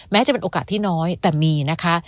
จะเป็นโอกาสที่น้อยแต่มีนะคะ